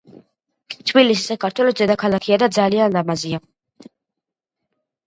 თბილისი საქართველოს დედაქალაქია და ძალიან ლამაზია